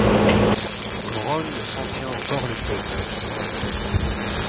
Rognes s’en tient encore les côtes.